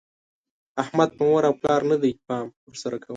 احمد په مور او پلار نه دی؛ پام ور سره کوه.